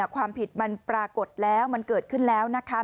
ความผิดมันปรากฏแล้วมันเกิดขึ้นแล้วนะคะ